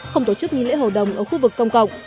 không tổ chức nghi lễ hầu đồng ở khu vực công cộng